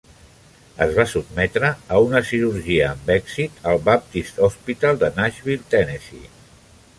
Es va sotmetre a una cirurgia amb èxit al Baptist Hospital de Nashville, Tennessee.